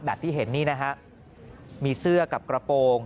ที่เห็นนี่นะฮะมีเสื้อกับกระโปรง